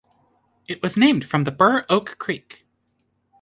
It was named from the Burr Oak Creek.